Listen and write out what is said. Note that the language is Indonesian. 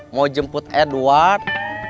mau jemput edward